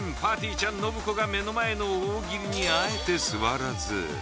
ちゃん信子が目の前の大喜利にあえて座らず。